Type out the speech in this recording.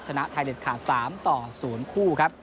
ชนะไทยเด็ดขาด๓๐ครับ